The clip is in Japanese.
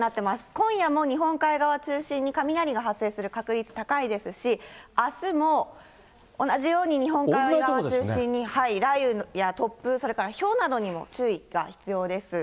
今夜も日本海側を中心に雷が発生する確率高いですし、あすも同じように日本海側を中心に雷雨や突風、それからひょうなどにも注意が必要です。